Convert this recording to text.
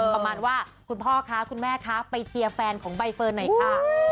ประมาณว่าคุณพ่อคะคุณแม่คะไปเชียร์แฟนของใบเฟิร์นหน่อยค่ะ